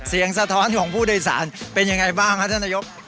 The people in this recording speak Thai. เสียงสะท้อนของผู้โดยสารเป็นยังไงบ้างฮะท่านนโยบ